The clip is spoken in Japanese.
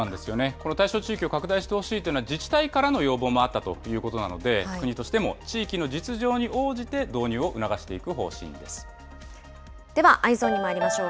この対象地域を拡大してほしいというのは自治体からの要望もあったということなので、国としても地域の実情に応じて導入を促していく方針ではＥｙｅｓｏｎにまいりましょう。